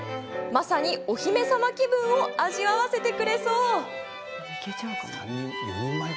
まさにお姫様気分を味わわせてくれそう。